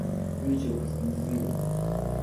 文章が少なすぎる